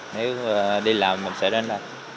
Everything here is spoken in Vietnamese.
nếu đi làm mình sẽ đến đây